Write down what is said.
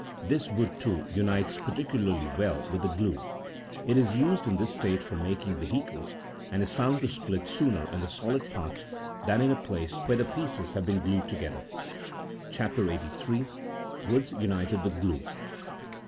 This wood, too, unites particularly well with glue : it is used in this state for making vehicles, and is found to split sooner in the solid parts than in a place where the pieces have been glued together. CHAP. 83. (43.) WOODS UNITED WITH GLUE.